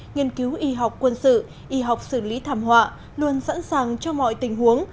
nghiên cứu y học quân sự y học xử lý thảm họa luôn sẵn sàng cho mọi tình huống